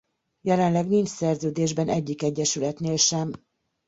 Jelenleg nincs szerződésben egyik egyesületnél sem.